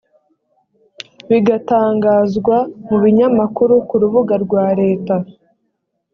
bigatangazwa mu binyamakuru ku rubuga rwa leta.